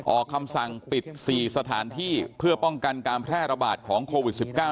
ออกคำสั่งปิด๔สถานที่เพื่อป้องกันการแพร่ระบาดของโควิด๑๙